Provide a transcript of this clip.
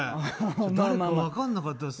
誰か分からなかったですよ。